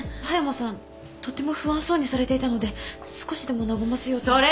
葉山さんとても不安そうにされていたので少しでも和ませようと。